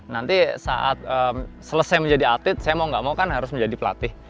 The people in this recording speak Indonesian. nanti saat selesai menjadi atlet saya mau gak mau kan harus menjadi pelatih